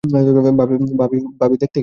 ভাবী দেখতে কেমন?